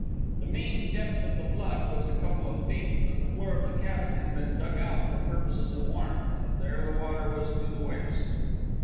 The mean depth of the flood was a couple of feet, but the floor of the cabin had been dug out for purposes of warmth, and there the water was to the waist.